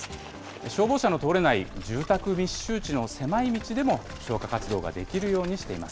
消防車の通れない住宅密集地の狭い道でも消火活動ができるようにしています。